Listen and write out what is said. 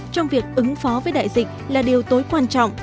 trong việc ứng phó với đại dịch là điều tối quan trọng